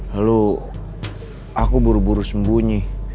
lalu aku buru buru sembunyi